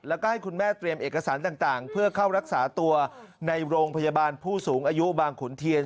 แล้วก็ให้คุณแม่เตรียมเอกสารต่างเพื่อเข้ารักษาตัวในโรงพยาบาลผู้สูงอายุบางขุนเทียน